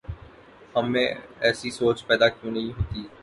ہم میں ایسی سوچ پیدا کیوں نہیں ہوتی؟